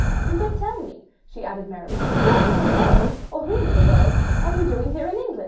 "But tell me," she added merrily, "what in the world, or whom in the world, are you doing here in England?"